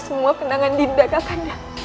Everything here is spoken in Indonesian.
semua kenangan dinda kakak anda